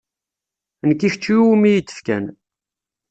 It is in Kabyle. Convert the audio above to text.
Nekk i kečč i wumi iyi-d-fkan.